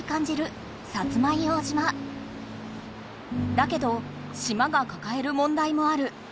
だけど島がかかえる問題もある。